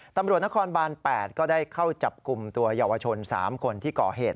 ตำรวจนครบาน๘ก็ได้เข้าจับกลุ่มตัวเยาวชน๓คนที่ก่อเหตุ